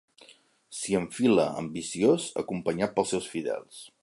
S'hi enfila, ambiciós, acompanyat pels seus fidels.